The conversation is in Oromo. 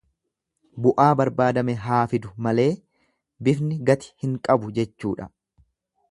Bu'aa barbaadame haa fidu malee bifni gati hin qabu jechuudha.